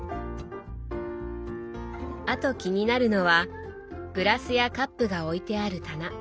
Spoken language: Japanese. あと気になるのはグラスやカップが置いてある棚。